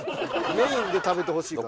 メインで食べてほしいから。